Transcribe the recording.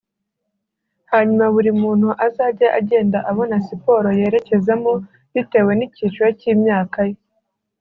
hanyuma buri muntu azajye agenda abona siporo yerekezamo bitewe n’icyiciro cy’imyaka ye